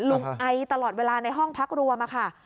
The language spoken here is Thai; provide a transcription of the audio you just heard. ไอตลอดเวลาในห้องพักรวมค่ะ